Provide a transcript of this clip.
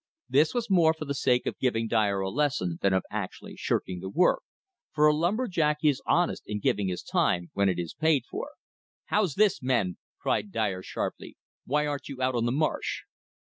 This was more for the sake of giving Dyer a lesson than of actually shirking the work, for a lumber jack is honest in giving his time when it is paid for. "How's this, men!" cried Dyer sharply; "why aren't you out on the marsh?"